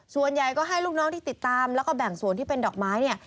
ส่วนใหญ่ก็ให้ลูกน้องที่ติดตามแล้วก็แบ่งส่วนที่เป็นดอกไม้เนี่ย